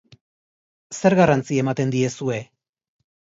Zer garrantzi ematen diezue?